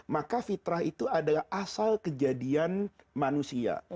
maka fitrah itu adalah asal kejadian manusia